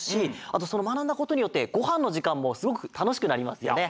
あとそのまなんだことによってごはんのじかんもすごくたのしくなりますよね。